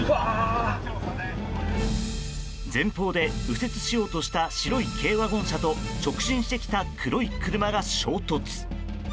前方で右折しようとした白い軽ワゴン車と直進してきた黒い車が衝突。